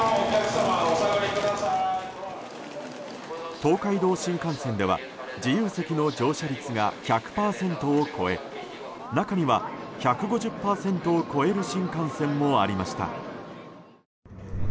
東海道新幹線では自由席の乗車率が１００％を超え中には、１５０％を超える新幹線もありました。